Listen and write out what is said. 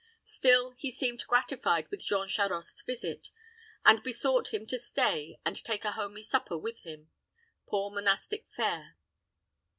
Still, he seemed gratified with Jean Charost's visit, and besought him to stay and take a homely supper with him poor monastic fare.